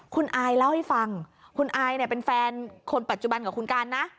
คุณอายเล่าให้ฟังคุณอายเนี่ยเป็นแฟนคนปัจจุบันกับคุณการนะ